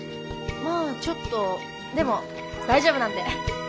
まあちょっとでも大丈夫なんで。